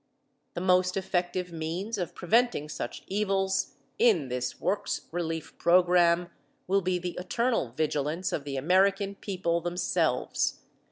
The most effective means of preventing such evils in this Works Relief program will be the eternal vigilance of the American people themselves.